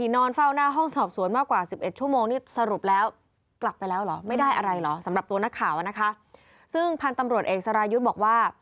นักข่าวนะคะซึ่งพันธุ์ตำรวจเอกสรายยุทธ์บอกว่า